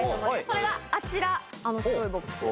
それがあちらあの白いボックス。